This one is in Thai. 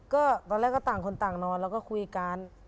ก็ตอนแรกก็ต่างคนต่างนอนแล้วก็คุยกัน